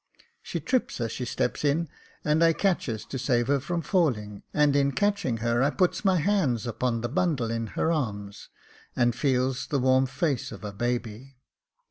She trips as she steps in, and I catches to save her from falling, and in catching her I puts my hand upon the bundle in her arms, and feels the warm face of a baby.